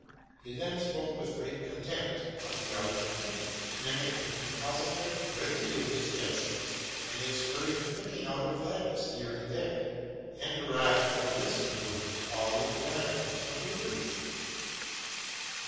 He then spoke with great contempt of the art of printing, mimicked the compositor, ridiculed his gestures and his hurried picking out of letters here and there, and derived from this manceuyre all the calamities of literature.